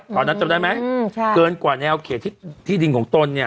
ตอนนั้นจำได้ไหมอืมใช่เกินกว่าแนวเขียนที่ที่ดินของตนเนี่ย